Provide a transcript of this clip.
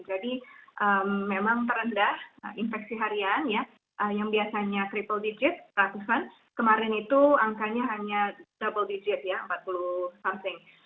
jadi memang terendah infeksi harian yang biasanya triple digit kemarin itu angkanya hanya double digit ya empat puluh something